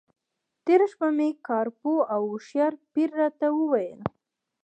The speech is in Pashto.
تېره شپه مې کار پوه او هوښیار پیر راته وویل.